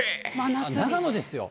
長野ですよ。